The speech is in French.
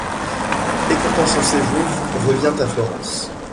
Écourtant son séjour, revient à Florence.